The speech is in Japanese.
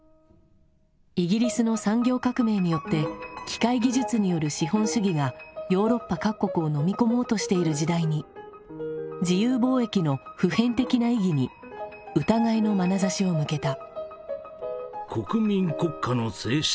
イギリスの「産業革命」によって機械技術による資本主義がヨーロッパ各国をのみ込もうとしている時代に自由貿易の普遍的な意義に疑いのまなざしを向けた。